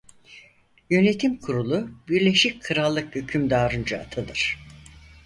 Yönetim kurulu Birleşik Krallık hükümdarınca atanır.